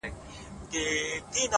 o ټول عمر ښېرا کوه دا مه وايه؛